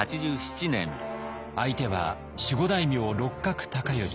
相手は守護大名六角高頼。